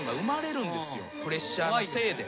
プレッシャーのせいで。